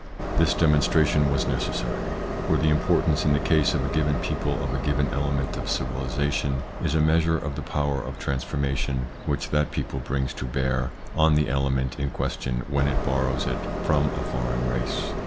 This demonstration was necessary. For the im portance in the case of a given people of a given element of civilisation is a measure of the power of transformation which that people brings to bear on the element in question when it borrows it from a foreign race.